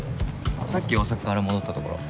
さっき大阪から戻ったところ。